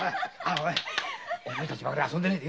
おいおいお前たちばかり遊んでねえで